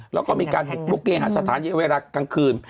แล้วก็มีการบุกเกย์หาสถานที่ไว้รักกลางคืน